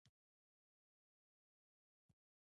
له همدې امله بومي کلتور د ستونزې په ډاګه کولو لپاره دلیل نه دی.